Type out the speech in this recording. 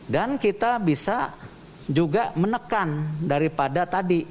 dan kita bisa juga menekan daripada tadi